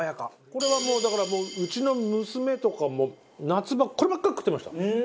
これはもうだからうちの娘とかも夏場こればっかり食ってました。